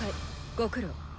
ご苦労。